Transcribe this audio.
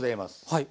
はい。